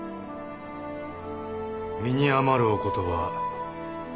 身に余るお言葉